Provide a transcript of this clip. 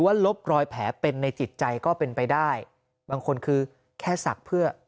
ลบรอยแผลเป็นในจิตใจก็เป็นไปได้บางคนคือแค่ศักดิ์เพื่อ